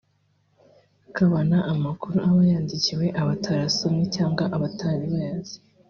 Kabana amakuru aba yandikiwe abatarasomye cg abatari bayazi